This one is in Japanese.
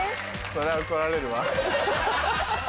そら怒られるわ。